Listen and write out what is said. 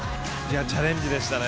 チャレンジでしたね